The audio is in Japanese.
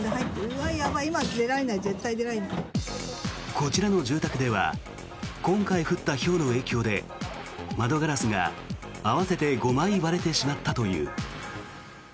こちらの住宅では今回降ったひょうの影響で窓ガラスが合わせて５枚割れてしまったという。